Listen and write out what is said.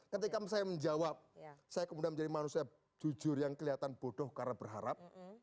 ketika saya menjawab saya kemudian menjadi manusia jujur yang kelihatan bodoh karena berharap